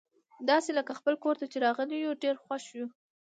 داسي لکه خپل کور ته چي راغلي یو، ډېر خوښ وو.